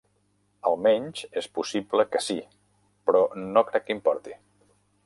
Almenys, és possible que sí, però no crec que importi.